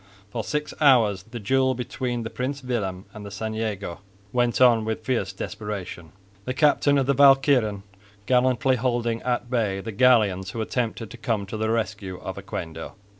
For six hours the duel between the Prins Willem and the St Jago went on with fierce desperation, the captain of the Walcheren gallantly holding at bay the galleons who attempted to come to the rescue of Oquendo.